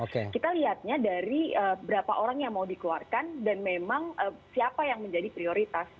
kita lihatnya dari berapa orang yang mau dikeluarkan dan memang siapa yang menjadi prioritas